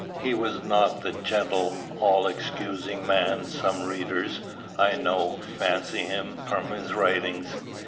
He was not the gentle, all excusing man some readers, I know, fancy him from his writings.